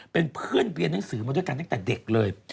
เป็นเพื่อนเรียนหนังสือมาด้วยกันตั้งแต่เด็กเลย